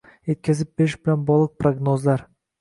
yetkazib berish bilan bog'liq prognozlar